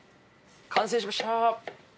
完成しました！